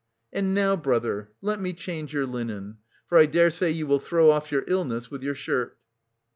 And now, brother, let me change your linen, for I daresay you will throw off your illness with your shirt."